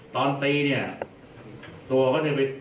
อ๋อตอนตีเนี้ยตัวก็จะไป